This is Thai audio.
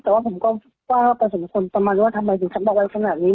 แต่ว่าคุณก็ว่าผสมคนตร์กำลังดูว่าทำไมถึงทำประวัติขนาดนี้